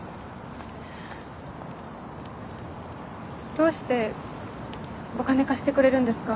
どうしてお金貸してくれるんですか？